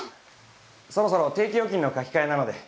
そろそろ定期預金の書き換えなので。